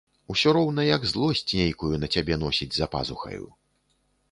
Усё роўна як злосць нейкую на цябе носіць за пазухаю.